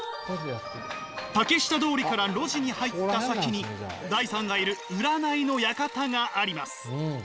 竹下通りから路地に入った先にダイさんがいる占いの館があります。